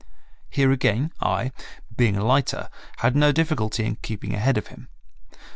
Here again I, being lighter, had no difficulty in keeping ahead of him.